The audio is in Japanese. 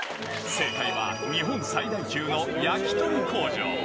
正解は、日本最大級の焼き鳥工場。